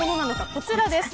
こちらです。